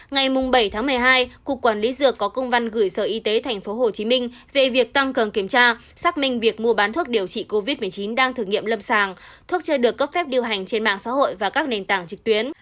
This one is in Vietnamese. ngày bảy tháng một mươi hai cục quản lý dược có công văn gửi sở y tế tp hcm về việc tăng cường kiểm tra xác minh việc mua bán thuốc điều trị covid một mươi chín đang thử nghiệm lâm sàng thuốc chưa được cấp phép điều hành trên mạng xã hội và các nền tảng trực tuyến